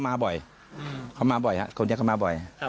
ไม่ไม่เคยฮะเขามาบ่อยคลนี้เขามาบ่อย